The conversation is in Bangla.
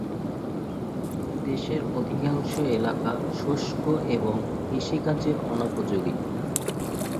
দেশের অধিকাংশ এলাকা শুষ্ক এবং কৃষিকাজের অনুপযোগী।